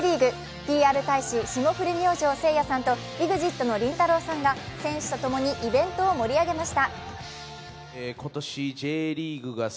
ＰＲ大使、霜降り明星・せいやさんさんとＥＸＩＴのりんたろーさんが選手と共にイベントを盛り上げました。